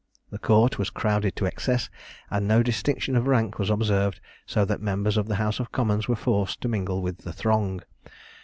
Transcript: The court was crowded to excess, and no distinction of rank was observed; so that members of the house of commons were forced to mingle in the throng.